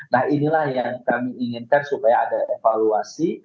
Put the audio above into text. nah inilah yang kami inginkan supaya ada evaluasi